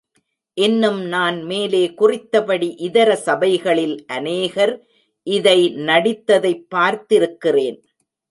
இன்னும் நான் மேலே குறித்தபடி இதர சபைகளில் அநேகர் இதை நடித்ததைப் பார்த்திருக்கிறேன்.